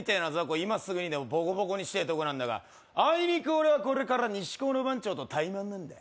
今すぐにでもボコボコにしてえとこなんだがあいにく俺はこれから西高の番長とタイマンなんだよ